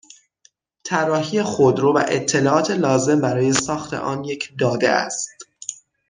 طراحی خودرو و اطلاعات لازم برای ساخت آن یک داده است